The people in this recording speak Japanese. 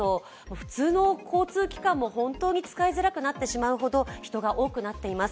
普通の交通機関も使いづらくなってしまうほど人が多くなっています。